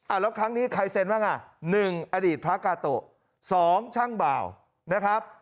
แล้วครั้งนี้ใครเซ็นบ้างอ่ะ๑อดีตพระกาโตะสองช่างบ่าวนะครับ